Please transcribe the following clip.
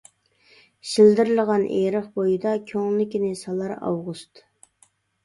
شىلدىرلىغان ئېرىق بويىدا، كۆڭلىكىنى سالار ئاۋغۇست.